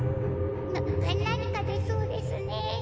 ななにかでそうですね。